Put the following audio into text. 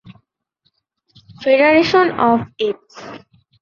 Federation of x.